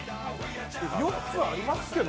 ４つありますけど。